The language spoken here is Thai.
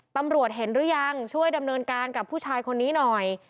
ตำรวจเห็นหรือยังช่วยดำเนินการกับผู้ชายคนนี้หน่อย